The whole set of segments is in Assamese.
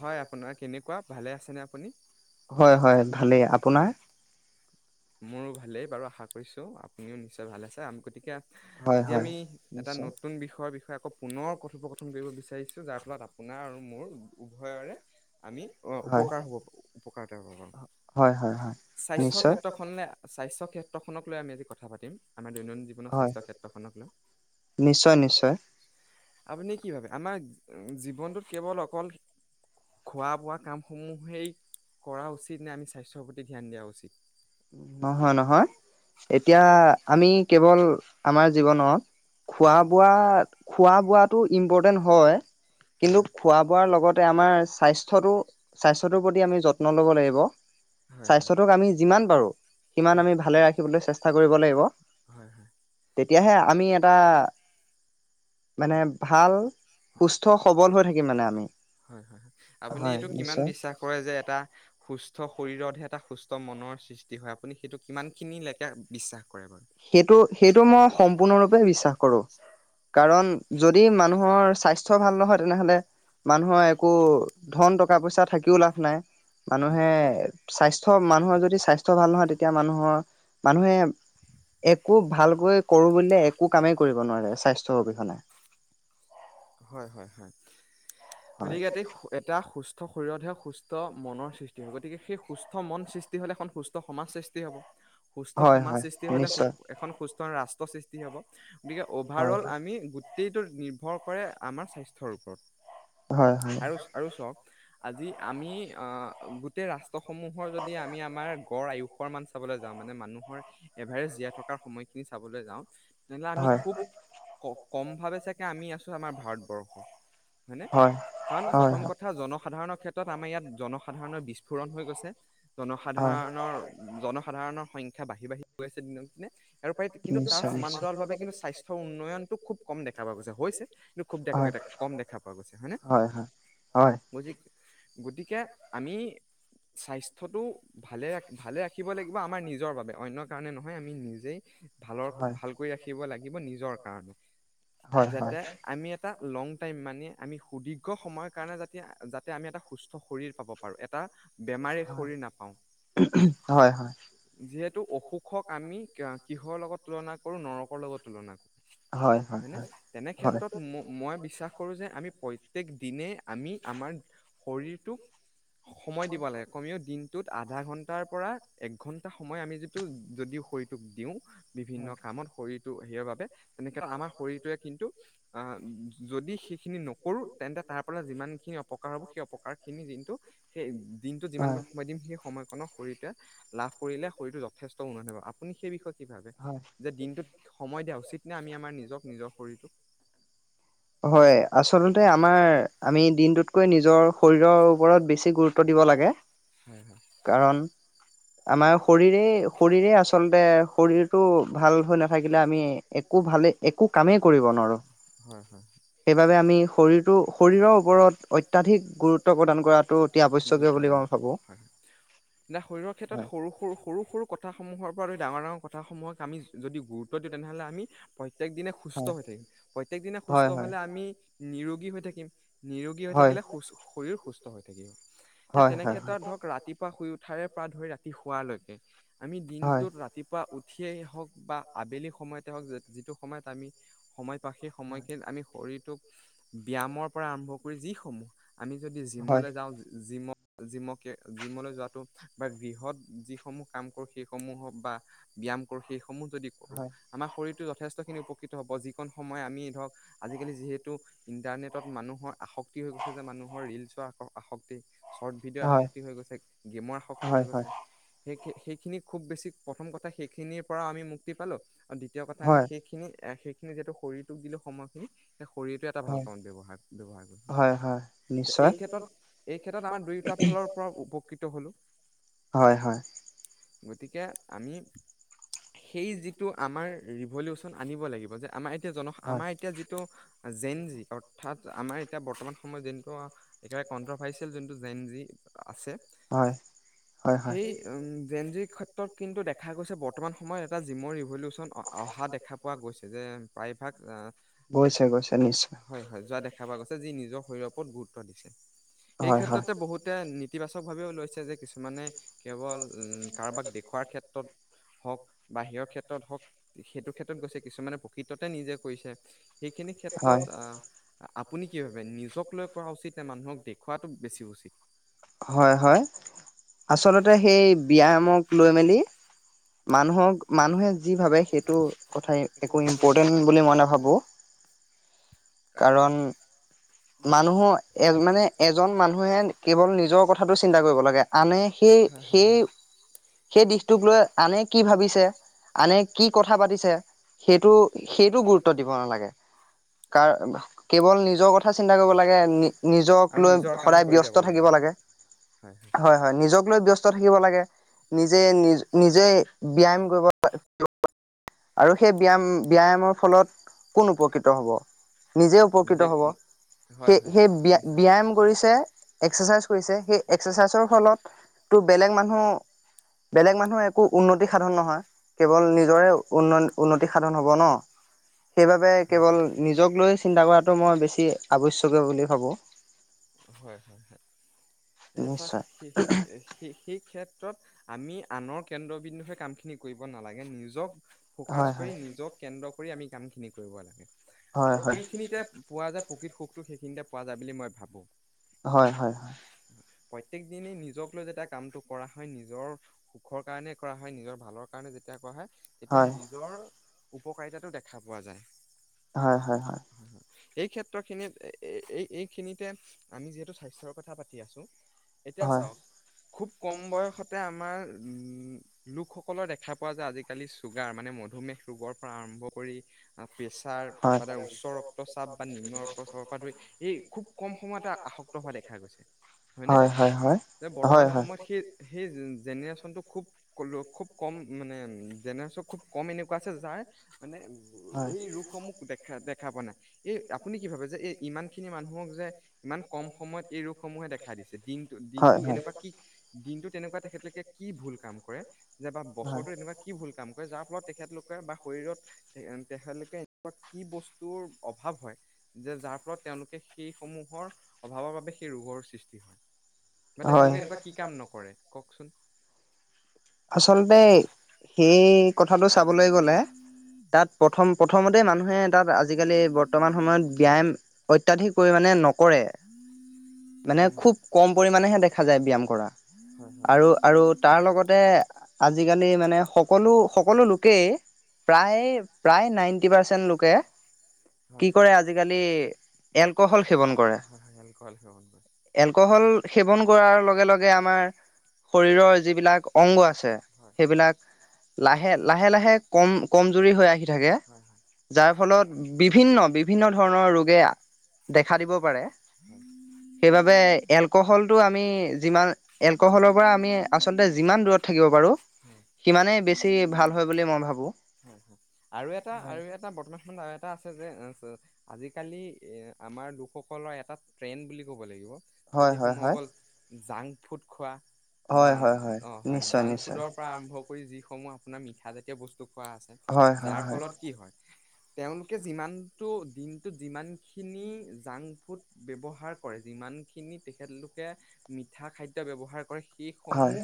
হয় আপোনাৰ কেনেকুৱা ভালে আছেনে আপুনি? হয় হয় ভালেই আপোনাৰ আহ', মোৰো ভালেই বাৰু আশা কৰিছোঁ আপুনিও নিশ্চয় ভাল আছে? আমি গতিকে হয় আজি হয় আমি এটা নিশ্চয় নতুন বিষয়ৰ বিষয়ে। আকৌ পুনৰ কথোপকথন কৰিব বিচাৰিছো যাৰ ফলত আপোনাৰ আৰু মোৰ উভয়ৰে আমি অহ ', হয় উপকাৰ হ'ব পো উপকাৰ হ'ব। হয় হয় হয় স্বাস্থ্যৰ নিশ্চয় ক্ষেত্ৰত তই শুননা স্বাস্থ্য ক্ষেত্ৰখনক লৈ আমি আজি কথা পাতিম আমাৰ দৈনন্দিন জীৱনৰ হয় স্বাস্থ্য ক্ষেত্ৰখনক লৈ। নিশ্চয় নিশ্চয় আপুনি কি ভাবে আমাৰ জীৱনটোত কেৱল অকল খোৱা বোৱা কামসমূহেই কৰা উচিত নে আমি স্বাস্থ্যৰ প্ৰতি ধ্যান দিয়া উচিত। নহয়-নহয়। এতিয়া আমি কেৱল আমাৰ। জীৱনত খোৱা বোৱা খোৱা বোৱাটো ইম্পৰ্টেণ্ট হয়। কিন্তু হয় খোৱা বোৱাৰ লগতে আমাৰ স্বাস্থ্যটো - স্বাস্থ্যটোৰ প্ৰতি আমি যত্ন ল'ব লাগিব। হয় হয়। স্বাস্থ্যটোক আমি ইমান হয় বাৰো সিমান আমি ভালে ৰাখিবলৈ চেষ্টা কৰিব লাগিব। হয় হয় তেতিয়াহে আমি এটা মানে ভাল সুস্থ সবল হৈ থাকিম মানে আমি হয় হয় আপুনি হয়', এইটো কিমান নিশ্চয়',। বিশ্বাস কৰে যে এটা সুস্থ শৰীৰতহে এটা সুস্থ মনৰ সৃষ্টি হয় আপুনি সেইটো কিমানখিনিলৈকে বিশ্বাস। কৰে বাৰু সেইটো-সেইটো মই সম্পূৰ্ণৰূপে বিশ্বাস। কৰো কাৰণ যদি মানুহৰ স্বাস্থ্য ভাল নহয় তেনেহলে মানুহৰ একো ধন টকা পইচা থাকিও লাভ নাই। মানুহে স্বাস্থ্য মানুহৰ যদি স্বাস্থ্য ভাল নহয় তেতিয়া মানুহৰ -মানুহে একো ভালকৈ কৰো বুলিলে একো কামে কৰিব নোৱাৰে স্বাস্থ্যৰ অবিহনে। হয় হয় হয় হয়, গতিকে এতি এটা সুস্থ। সুস্থ শৰীৰতহে সুস্থ মনৰ সৃষ্টি হয় গতিকে সেই সুস্থ মন সৃষ্টি হ'লে এখন সুস্থ সমাজ সৃষ্টি হ'ব। সুস্থ হয়, সমাজ হয়, সৃষ্টি হলে সু নিশ্চয় এখন সুস্থ সুস্থ ৰাষ্ট্ৰ সৃষ্টি হ'ব। গতিকে অভাৰ হয়, অল আমি গো গোটেইটো নিৰ্ভৰ কৰে আমাৰ স্বাস্থ্যৰ ওপৰত। হয়, হয়, আৰু -আৰু চওক আজি আমি আহ', গোটেই ৰাষ্ট্ৰসমূহৰ যদি আমি আমাৰ গড় আয়ুসৰ মান চাবলৈ যাওঁ মানে মানুহৰ এভাৰেষ্ট জীয়াই থকাৰ সময়খিনি চাবলৈ যাওঁ। যেনে আমি হয়, খুব কওঁ কম ভাৱে চাগে আমি আছো আমাৰ ভাৰতবৰ্ষ। হয়নে হয়। কাৰণ হয়, প্ৰথম কথা জনসাধাৰণৰ ক্ষেত্ৰত ত', আমাৰ ইয়াত জনসাধাৰণৰ বিস্ফোৰণ হৈ গৈছে। হয়, জনসাধাৰণৰ জন সাধাৰণৰ সংখ্যা বাঢ় বাঢ়ি গৈ আছে দিনক দিনে আৰু উপ কিন্তু তাৰ নিশ্চয়, সমান নিশ্চয়, ভ কিন্তু স্বাস্থ্যৰ উন্নয়নতটো খুব কম দেখা পোৱা গৈছে হৈছে কিন্তু খুব হয়, কম দেখা পোৱা গৈছে। হয়নে? হয়, হয়। হয়, বুি গতিকে আমি স্বাস্থ্যটো ভালে ভালে ৰাখিব লাগিব আমাৰ নিজৰ বাবে, অন্য কাৰণে নহয় আমি নিজেই ভালৰ, হয়, ভাল কৰি লাগিব নিয়ৰ কাৰনে, হয়, যাতে হয়, আমি এতা এটা লং টাইম মানে, আমি সুদীৰ্ঘ সময়ৰ কাৰণে যা যাতে আমি এটা সুস্থ শৰীৰ পাব পাৰো। এটা বেমাৰে হয়, খৰি নাপাওঁ। হয়। হয় যিহেত টো অসুখক আমি কিহৰ লগত তুলনা কৰো নৰ কৰ লগত তুলনা হয় নে! তেনে হয় ক্ষেত্ৰত ম মই বিশ্বাস কৰো যে আমি প্ৰত্যেক দিনেই আমি আমাৰ শৰীৰটোক সময় দিব লাগে। কমেও দিন টোত আধা ঘন্টাৰ পৰা এক ঘন্টা সময় আমি যিটো যদিও শৰীৰটোক দিওঁ বিভিন্ন কামত শৰীৰ টো সেই বাবে তেনেকে আমাৰ শৰীৰটোৱে কিন্তু আহ যদি সেইখিনি নকৰোঁ তেন্তে তাৰ পৰা যিমানখিনি অপকাৰ হ'ব সেই অপকাৰখিনি যোনটো সেই দিনটোত হয় যিমানকণ সময় দিম সেই সময়কণক শৰীৰটোৱে লাভ কৰিলে শৰীৰটো যথেষ্ট উন্নত হ'ব। আপুনি সেই বিষয়ে কি ভাবে, হয় যে দিনটোত সময় দিয়া উচিত নে আমি আমাৰ নিজক নিজৰ শৰীৰটোক হয়। আচলতে আমাৰ আমি দিনটোতকৈ নিজ নিজৰ শৰীৰৰ ওপৰত বেছি গুৰুত্ব দিব লাগে, হয় হয় কাৰণ আমাৰ শৰীৰেই শৰীৰেই আচলতে শৰীৰটো ভাল হৈ নাথাকিলে আমি একো ভালেই একো কামেই কৰিব নোৱাৰো, হয় হয় সেইবাবে আমি শৰীৰটো শৰীৰৰ ওপৰত অত্যাধিক গুৰুত্ব প্ৰদান কৰাটো অতি আৱশ্যকীয় গুৰুত্ব বুলি প্ৰদান মই কৰোঁ ভাবো। হয় হয় এতিয়া শৰীৰৰ ক্ষেত্ৰত সৰু-সৰু সৰু-সৰু কথাসমূহৰ পৰা ডাঙৰ ডাঙৰ কথামূহক আমি যদি গুৰুত্ব দিওঁ তেনে হ'লে আমি প্ৰ ত্যেক দিনে সুস্থ হয় হৈ থাকিম প্ৰত্যেক দিনে সুস্থ হয় হলে, আমি নিৰোগী হৈ থাকিম। নিৰোগী হৈ হয় থাকিলে, সু শৰীৰ সুস্থ হৈ থাকিব। হয় তেনে হয় ক্ষেত্ৰত হয় ধৰক ৰাতিপুৱা শুই উঠ শাৰে পৰা ধৰি ৰাতি শোৱালৈকে আমি দিনটোত ৰাতিপুৱা উঠ ঠিয়েই হওঁক বা আবেলি সময়তে হওঁক যিটো সময়ত আমি সময় বা সেই সময়খিনিত আমি শৰীৰ টোক ব্যায়ামৰ পৰা আৰম্ভ কৰি যি সমূহ আমি যদি হয় জিমলৈ যাওঁ জিমত জিমকে জিমলৈ যোৱাটো বা গৃহত যি সমূহ কাম কৰো সেই সমূহক বা ব্যায়াম কৰো সেই সমূহ যদি কৰো হয় আমাৰ শৰীৰ টো যথেষ্ট খিনি উপকৃত হ'ব যিকণ সময় আমি ধৰক আজিকালি যিহেতু ইন্টাৰনেটত মানুহৰ আষ ক্টি হৈ গৈছে যে মানুহৰ ৰীলছ আসক্তি শৰ্ট হয় ভিডিঅ' হয় হয় আসক্তি হৈ গৈছে গেমৰ সী হৈ হয় হয় গৈছে সেই সেইখিনি খুব বেছি প্ৰথম কথা সেইখিনিৰ পৰা আমি মুক্তি পালো আৰু দ্বিতীয় কথা আমি হয় সেইখিনি সিহেত শৰীৰটোক দিলে সময়খিনি শৰীৰটোৱে এটা ভাল হয় কামত ব্যৱহাৰ ব্যৱহাৰ হয় হয় কৰি নিশ্চয় এই ক্ষেত্ৰত এই ক্ষেত্ৰত আমাৰ দুয়োটা ফালৰ পৰা উপকৃত হ'লোঁ হয় হয় গতিকে আমি সেই যিটো আমাৰ ৰিভলিউচন আনিব লাগিব যে আমাৰ এতিয়া জন হয় আমাৰ এতিয়া যিটো জেন জি অৰ্থাৎ আমাৰ এতিয়া বৰ্তমান সময়ত যোনু একেবাৰে কণ্ট্ৰভাৰ্চিয়েল যোনটো জেন জি আছে হয় হয় হয় সেই উম জেন জিৰ ক্ষেত্ৰত কিন্তু দেখা গৈছে বৰ্তমান সময়ত এটা জিমৰ ৰিভলিউচন অহা দেখা পোৱা গৈছে যে প্ৰায়ভাগ গৈছে গৈছে নিশ্চয় হয় হয় যোৱা দেখা পোৱা গৈছে যি নিজৰ শৰীৰৰ ওপৰত গুৰুত্ব দিছে সেই হয় হয় ক্ষেত্ৰতে বহুতে নতিবাচক ভাবিও লৈছে যে মানে কেৱল কাৰোবাক দেখুওৱাৰ ক্ষেত্ৰত হওক বাাহিৰৰ ক্ষেত্ৰত হওক সেইটো ক্ষেত্ৰত গৈছে কিছুমানে প্ৰকৃততে নিজে কৰিছে সেইখিনি হয় ক্ষেত্ৰত আপুনি কি ভাবে নিজক লৈ কৰা উচিত ন মানুহক দেখওুৱটো বেছি উচিত হয় হয় আচলতে সেই ব্য্ায়ামক লৈ মেলি মানুহক মানুহে যি ভাবে সেইটো কথাই একো ইম্পৰ্টেণ্ট বুলি মই নাভাবো কাৰণ মানুহৰ এ মানে এজন মানুহে কেৱল নিজৰ কথা চিন্তা কৰিব লাগে মানে সেই, হয় হয় সেই, হয় সেই দিশটোক লৈ আনে কি ভাবিছে, আনে কি কথা পাতিছে সেইটো, সেইটো গুৰুত্ব দিব নালাগে, কাৰ, কেৱল নিজৰ কথা চিন্তা কৰিব লাগে, নি, নিজক আৰু লৈ নিজৰ কাম সদায় কৰি যাব ব্যস্ত থাকিব লাগে। [inaudible] হয় হয় নিজক লৈ ব্যস্ত থাকিব লাগে, নিজে, নিজ, নিজে ব্যায়াম কৰিব আৰু সেই ব্যায়াম, ব্য ব্যায়ামৰ ফলত কোন উপকৃত হ'ব? নিজে উপকৃত হ'ব। হয় সেই, হয় সেই নিশ্চয় ব্যায়াম কৰিছে, এক্সাৰচাইজ কৰিছে, সেই এক্সাৰচাইজৰ ফলত বেলেগ মানুহ, বেলেগ মানুহৰ একো উন্নতি সাধন নহয়। কেৱল নিজৰেই উন, উন্নতি সাধন হ'ব ন, সেইবাবে হয় কেৱল হয় নিজক লৈ চিন্তা কৰাটো মই বেছি আৱশ্যকীয় বুলি ভাবোঁ। হয় হয় হয়। এতিয়া চাওক নিশ্চয়। সেই সেই সেই ক্ষেত্ৰত আমি আনৰ কেন্দ্ৰবিন্দুে কাম খিনি কৰিব নালাগে, নিজক ফ'কাচ হয় কৰি, হয় নিজক কেন্দ্ৰ কৰি আমি কাম খিনি কৰিব লাগে। হয় হয় আৰু সেইখিনিতে পোৱা যায় প্ৰকৃত সুখটো। সেইখিনিতে। পোৱা যায় বুলি মই ভাবোঁ। হয় হয় হয়। প্ৰত্যক দিনেই নিজক লৈ যেতিয়া কামটো কৰা হয়, নিজৰ সুখৰ কাৰণে কৰা হয়, নিজৰ ভালৰ কাৰণে যেতিয়া কৰা হয় এতিয়া হয় নিজৰ উপকাৰিতাাতো দেখা পোৱা যায়। হয় হয় হয়। এই ক্ষেত্ৰখিনিত, এই এইখিনিতে আমি যিহেতু স্বাস্থ্যৰ কথা পাতি আছোঁ এতিয়া হয় চাওক, খুব কম বয়সতে আমাৰ লোকসকলৰ দেখা পোৱা যায় আজিকালি চুগাৰ মানে মধুমেহ ৰোগৰ পৰা আৰম্ভ কৰি [inaudible] প্ৰেছাৰ হয় বা উচ্চ ৰক্তচাপ বা নিম্ন ৰক্তচাপৰ পৰা ধৰি এই খুব কম সময়তে আসক্ত হোৱা দেখা গৈছে, হয়নে? হয় হয় বৰ্তমান হয় হয় হয় সময়ত সেই, সেই, জেনেৰেছনটো খুব কম, খুব কম মানে জেনেৰেচনটো খুব কম এনেকুৱা আছে যাৰ মানে হয় এই ৰোগসমূহ দেখা, দেখা পোৱা নাই, এই আপুনি কি ভাবে যে এই ইমান খিনি মানুহক যে ইমান কম সময়ত এই ৰোগসমূহে দেখা দিছ, দিনটোত, হয় দিনটোত হয় এনেকুৱা কি দিনটোত এনেকুৱা, তেখেতলোকে কি ভুল কাম কৰে যে বা হয় বছৰটো এনেকুৱা কি ভুল কাম যাক তেওঁলোকে বা শৰীৰত তেখেতলোকে এনেকুৱা কি বস্তুৰ অভাৱ হয়, যে যাৰ ফলত তেওঁলোকে সেইসমূহৰ অভাৱৰ বাবে সেই ৰোগৰ সৃষ্টি হয়, বা হয় তেখেতলোকে এনেকুৱা কি কাম নকৰে? কওকচোন। আচলতে সেই কথাটো চাবলৈ গ'লে, তাত প্ৰথম প্ৰথমতে মানুহে তাত আজিকালি বৰ্তমান সময়ত ব্যায়াম ত্যধিক কৈ মানে নকৰে, মানে, হয় হয় খুব কম পৰিমাণেহে দেখা যায়, ব্যায়াম কৰা হয় হয় আৰু আৰু তাৰ লগত আজিকালি মানে সকলো, সকলো লোকেই, প্ৰায়, প্ৰায় নাইণ্টি পাৰ্চেণ্ট লোকে কি হয় কৰে আজিকালি এলকহল সেৱন কৰে, হয় হয় এলকহল সেৱন কৰে এলকহল সেৱন কৰাৰ লগে লগে আমাৰ শৰীৰৰ যিবিলাক অংগ আছে, হয় সেইবিলাক লাহে লাহে লাহে কম কমজুৰি হৈ আহি থাকে হয় হয় যাৰ ফলত বিভিন্ন বিভিন্ন ধৰণৰ ৰোগে দেখা দিব পাৰে হয় সেইবাবে এলকহলটো আমি যিমান এলকহলৰ পৰা আমি আচলতে যিমান দূৰত থাকিব পাৰো হয় সিমান বেছি ভাল হয় বুলি মই ভাবো হয় হয় আৰু এটা আৰু এটা বৰ্তমান সময়ত আৰু এটা আছে যে আজিকালি এ আমাৰ লোকসকলৰ এটা ট্ৰেণ্ড বুলি ক'ব লাগিব ত হয় হয় সেইসমূহ হয় হয় গল জাং ফুট খোৱা বা হয় হয় হয় নিশ্চয় নিশ্চয় অসম আপাৰ মঠা জাতীয় বস্তু ক আছে হয় হয় যাৰ হয় ফলত কি হয় তেওঁলোকে যিমানটো দিনটোত যিমান খিনি জাং ফুট ব্যৱহাৰ কৰে যিমানখিনি তেখেতলোকে মিঠা খাদ্য ব্যৱহাৰ কৰে সেই হয় সমূহ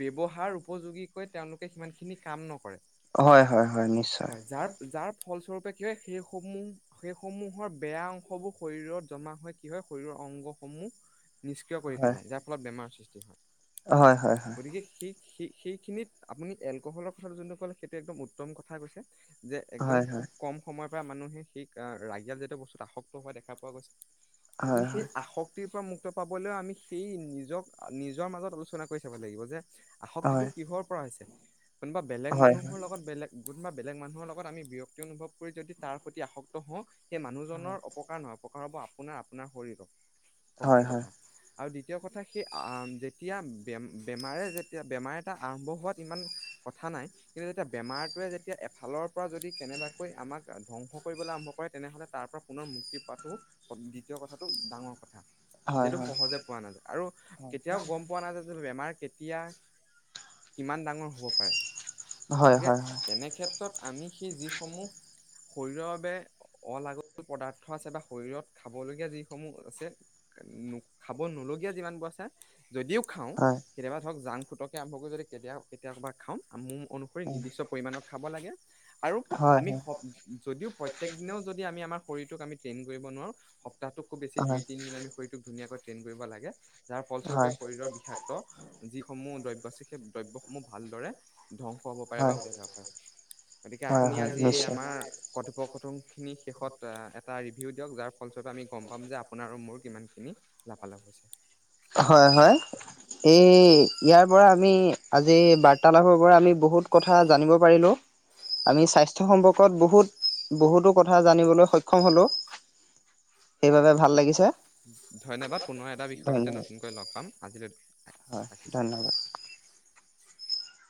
ব্যৱহাৰ উপযোগী তেওঁলোকে সিমান খিনি কাম নকৰে হয় হয় হয় নিশ্চয় হয় য যাৰ ফলস্বৰূপে কি হয় সেইসমূহ সেইসমূহৰ বেয়া অংশবোৰ শৰীৰত জমা হয় কি হয় শৰীৰৰ অংগসমূহ নিষ্ক্ৰিয় কৰি হয় পেলাই যাৰ ফলত বেমাৰ সৃষ্টি কি হয় হয় হয় গতিকে হি সী [unintelligible] সেইখিনিত আপুনি এলকহলৰ কথা যোনটো কলে সেইটো একদম উত্তম কথা কৈছে যে একদম হয় হয় খুব কম সময়ত মানুহে সেই ৰায়াত [unintelligible] যেতীয় বস্তুত আসক্ত হোৱা দেখা পোৱা গৈছে গতিকে হয় সেই হয় আসক্তিৰ পৰা মুক্ত পাব 'ও আমি সেই নিজক নিজৰ মাজত আলোচনা কৰি চাব লাগিব যে আসক্তিটো হয় কিহৰ চল কোনোবা বেলেগ হয় হয় মানুহৰ লগত বেলেগ বা বেলেগ মানুহৰ লগত আমি বি ব্যক্তি অনুভৱ কৰি যদি তাৰ প্ৰতি আসক্ত হওঁ সেই মানুহজনৰ অপকাৰ নহয় অপকাৰ হ'ব আপোনাৰ আপোনাৰ শৰীৰক প্ৰথম হয় কথা আৰু দ্বিতীয় কথা সেই যেতিয়া বে বেমাৰে যেতিয়া বেমাৰ এটা আৰম্ভ হোৱাত ইমান কথা নাই কিন্তু যেতিয়া বেমাৰটোৱে যেতিয়া এফালৰ পৰা যদি কেনেবাকৈ আমাক ধ্বংস কৰিবলৈ আৰম্ভ কৰে তেনেহ'লে তাৰ পৰা পুনৰ মুক্তি পোৱাটো দ্বিতীয় কথাটো ডাঙৰ কথা হয় হয় হয় যিহেটো সহজে পোৱা নাযায়, আৰু কেতিয়াও গম পোৱা নাযায় যে বেমাৰ। তিয়া। কিমান ডাঙৰ হ'ব পাৰে, হয় হয় হয় হয় গতিকে হয় তেনেক্ষেত্ৰত। আমি সেই যিসমূহ, শৰীৰৰ বাবে অলাগল পদাৰ্থ আছে বা শৰীৰত খাবলগীয়া যিসমূহ আছে [inaudible] খাব নলগীয়া যিমান বোৰ আছে, যদিও খাওঁ কেতিয়াবা ধৰক জাং ফুটকে আৰম্ভ কৰি যদি [unintelligible] খাম অনুসৰি নিৰ্দিষ্ট পৰিমাণৰ খাব লাগে, আৰু হয় আমি স যদিও প্ৰত্যেক দিনেও যদি আমি আমাৰ শৰীৰটোক আমি ট্ৰেইন কৰিব নোৱাৰোঁ, সপ্তাহটোক খুব বেছি দুই তিনিদিন আমি শৰীৰটোক ধুনীয়াকৈ। তেন কৰিব লাগে যাৰ ফলস্বৰূপে হয় শৰীৰৰ বিষাক্ত যিসমূহ দ্ৰব্য আছে সেই। দব্যসমূহ ভালদৰে। ধ্ববংস হব পাৰে বা হয় ওলাই যাব পাৰে। গতিকে হয় আপুনি হয় আজি নিশ্চয় আমাৰ কৰ্তৃপ। কথনখিনিৰ শেষত আ, এটা ৰিভিউ দিয়ক যাৰ ফলত স্বৰূপে আমি গম পাম যে আপোনাৰ আৰু মোৰ কিমান খিনি লাভ লাভ হৈছে। হয় হয়, এই ইয়াৰ পৰা আমি আজি বাৰ্তালাপৰ পৰা আমি বহুত কথা জানিব পাৰিলোঁ। আমি স্বাস্থ্য। স্বাস্থ্য সম্পৰ্কত বহুত, বহুতো কথা জানিবলৈ সক্ষম হ'লো, সেইবাবে ভাল লাগিছে ধন্যবাদ। কৈ লগ পাম আজিলৈ। হয় ৰাখিছোঁ। ধন্যবাদ।